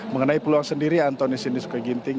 mengenai peluang sendiri anthony sinusuka ginting